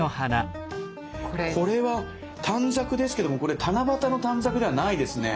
これは短冊ですけども七夕の短冊ではないですね。